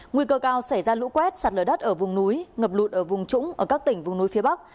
nguy cơ cao xảy ra lũ quét sạt lở đất ở vùng núi ngập lụt ở vùng trũng ở các tỉnh vùng núi phía bắc